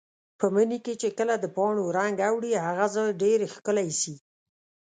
په مني کې چې کله د پاڼو رنګ اوړي، هغه ځای ډېر ښکلی ایسي.